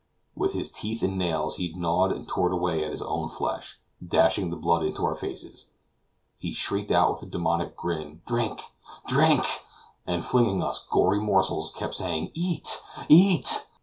With his teeth and nails he gnawed and tore away at his own flesh; dashing the blood into our faces, he shrieked out with a demoniacal grin, "Drink, drink!" and flinging us gory morsels, kept saying "Eat, eat!"